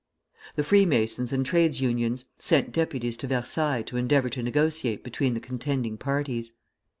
The Freemasons and trades unions sent deputies to Versailles to endeavor to negotiate between the contending parties.